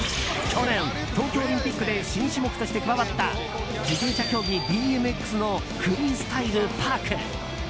去年東京オリンピックで新種目として加わった自転車競技ＢＭＸのフリースタイル・パーク。